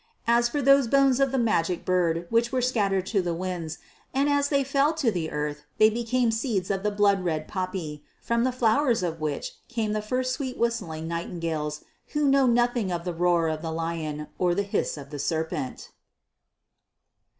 As for those bones of the Magic Bird which were scattered to the winds, as they fell to earth they became seeds of the blood red poppy, from the flowers of which came the first sweet whistling nightingales who know nothing of the roar of the lion or the hiss of the serpent.